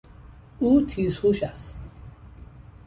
او تیزهوش است.